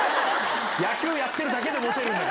野球やってるだけでもてるんだ。